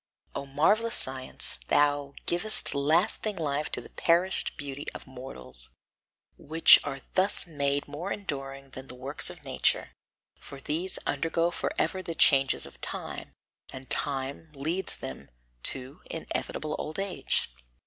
O marvellous science, thou givest lasting life to the perished beauty of mortals, which are thus made more enduring than the works of nature, for these undergo forever the changes of time, and time leads them to inevitable old age!